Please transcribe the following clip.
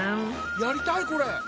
やりたいこれ！